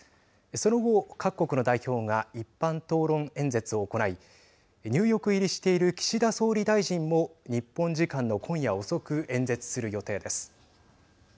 その後、各国の代表が一般討論演説を行いニューヨーク入りしている岸田総理大臣も日本時間の今夜遅く演説する予定です。